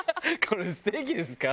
これステーキですか？